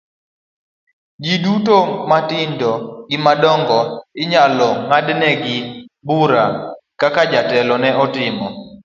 Ji duto matindo gi madongo inyalo ng'adnegi bura kaka jatelo no ne otimo.